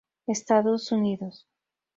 Estados Unidos